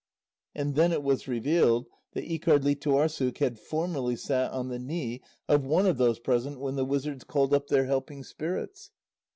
And then it was revealed that Íkardlítuarssuk had formerly sat on the knee of one of those present when the wizards called up their helping spirits.